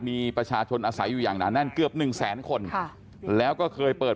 มีประชาชนอาศัยอยู่อย่างหนานั่นเกือบ๑๐๐๐๐๐คนแล้วก็เคยเปิด